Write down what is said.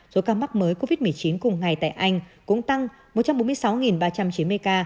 số ca mắc mới covid một mươi chín cùng ngày tại anh cũng tăng một trăm bốn mươi sáu ba trăm chín mươi ca